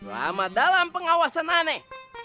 selamat dalam pengawasan aneh